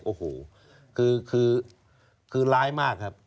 โอ้โหคือร้ายมากครับ